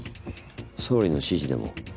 総理の指示でも？